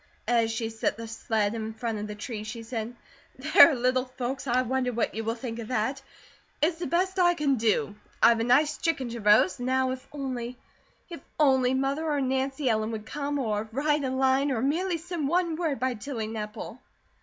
As she set the sled in front of the tree she said: "There, little folks, I wonder what you will think of that! It's the best I can do. I've a nice chicken to roast; now if only, if only Mother or Nancy Ellen would come, or write a line, or merely send one word by Tilly Nepple."